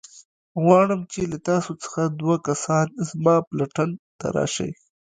غواړم چې له تاسو څخه دوه کسان زما پلټن ته راشئ.